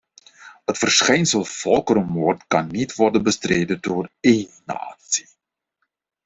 Het verschijnsel volkerenmoord kan niet worden bestreden door één natie.